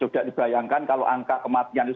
juga dibayangkan kalau angka kemarin